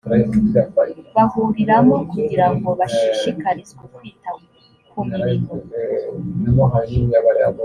bahuriramo kugira ngo bashishikarizwe kwita ku murimo